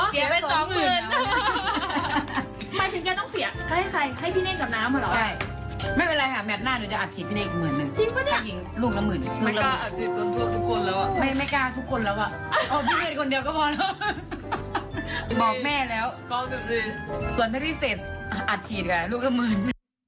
ส่วนตั้งที่เสร็จอัดฉีดอยู่แทนลูกละหมื่น